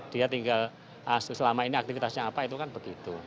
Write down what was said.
dia tinggal selama ini aktivitasnya apa itu kan begitu